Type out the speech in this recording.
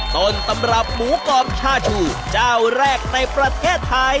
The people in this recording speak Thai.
ต้นตำรับหมูกรอบชาชูเจ้าแรกในประเทศไทย